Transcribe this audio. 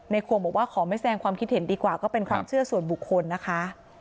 ควงบอกว่าขอไม่แสดงความคิดเห็นดีกว่าก็เป็นความเชื่อส่วนบุคคลนะคะ